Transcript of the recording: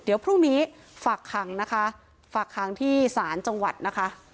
เดี๋ยวพรุ่งนี้ฝากขังนะคะฝากขังที่ศาลจังหวัดนะคะ